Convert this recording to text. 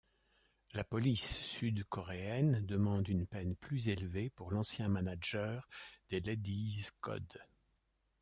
La police sud-coréenne demande une peine plus élevée pour l’ancien manager des Ladies’ Code.